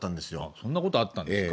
そんな事あったんですか？